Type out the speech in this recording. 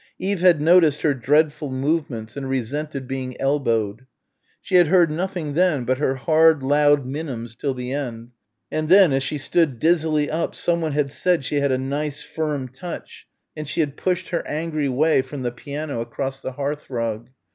Eve had noticed her dreadful movements and resented being elbowed. She had heard nothing then but her hard loud minims till the end, and then as she stood dizzily up someone had said she had a nice firm touch, and she had pushed her angry way from the piano across the hearthrug.